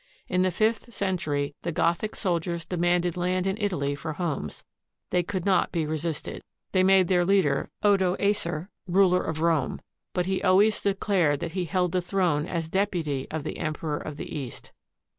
In the fifth cen tury the Gothic soldiers demanded land in Italy for homes. They could not be resisted. They made their leader Odoacer ruler of Rome ; but he always declared that he held the throne as deputy of the Emperor of the East.